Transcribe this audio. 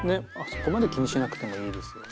そこまで気にしなくてもいいですよね。